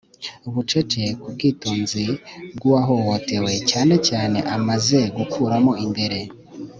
bucece ku bwitonzi bw'uwahohotewe, cyane cyane amaze gukuramo imbere